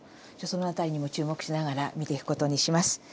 その辺りにも注目しながら見ていく事にします。